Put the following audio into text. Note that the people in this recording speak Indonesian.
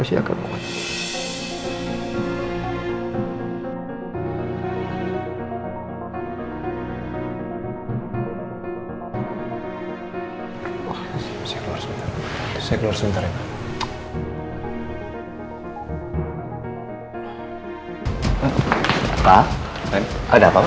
kasih tau papa